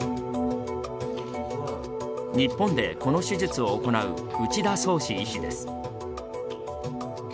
日本でこの手術を行う内田宗志医師です。